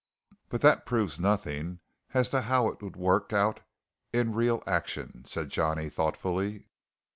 "But that proves nothing as to how it would work out in real action," said Johnny thoughtfully.